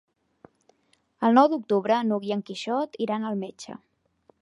El nou d'octubre n'Hug i en Quixot iran al metge.